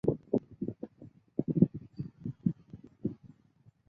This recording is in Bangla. এটি মূলত অবকাঠামো এবং নবায়নযোগ্য জ্বালানি শক্তি উৎপাদনে অর্থায়ন ও সহযোগিতা দিয়ে থাকে।